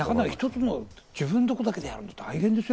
自分のところだけでやると大変ですよ。